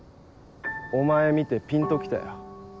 お前見てピンと来たよ。